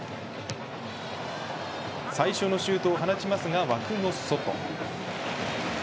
最初のシュートを放ちますが枠の外。